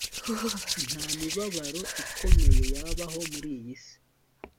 nta mibabaro ikomeye yabaho muri iyi si